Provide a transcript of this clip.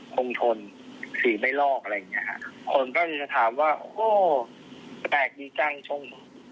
คงชนผีไม่ลอกอะไรอย่างเงี้ยค่ะคนก็จะถามว่าโอ้แปลกดีจังชม